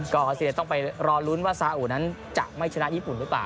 ก็อาเซียต้องไปรอลุ้นว่าซาอุนั้นจะไม่ชนะญี่ปุ่นหรือเปล่า